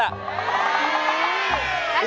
ไม่กินเหรอ